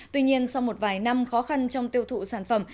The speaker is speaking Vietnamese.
tuy nhiên sau một vài năm khó khăn trong tiêu thụ sản phẩm